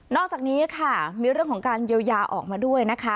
อกจากนี้ค่ะมีเรื่องของการเยียวยาออกมาด้วยนะคะ